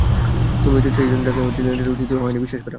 তুমিই হচ্ছো সেইজন যাকে লিনেটের উচিৎ হয়নি বিশ্বাস করা!